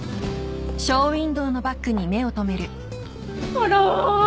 あら？